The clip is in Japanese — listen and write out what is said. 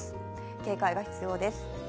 警戒が必要です。